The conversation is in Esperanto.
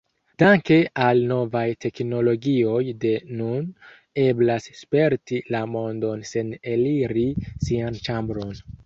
Danke al novaj teknologioj, de nun eblas sperti la mondon sen eliri sian ĉambron.